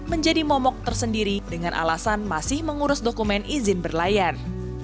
menjadi momok tersendiri dengan alasan masih mengurus dokumen izin berlayar